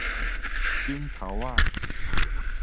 指頭仔